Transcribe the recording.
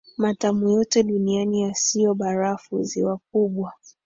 matamu yote duniani yasiyo barafu Ziwa kubwa